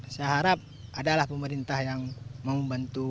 saya harap adalah pemerintah yang mau membantu